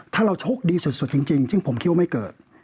ถ้าเราโชคดีสุดจริงซึ่งผมคิดว่าไม่เกิด